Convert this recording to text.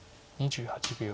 ２８秒。